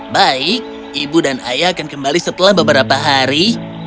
baik ibu dan ayah akan kembali setelah beberapa hari